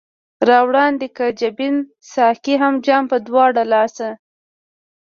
را وړاندي که جبين ساقي هم جام پۀ دواړه لاسه